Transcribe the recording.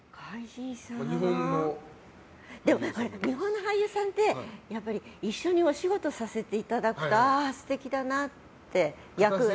日本の俳優さんってやっぱり一緒にお仕事させていただくとああ、素敵だなって、役で。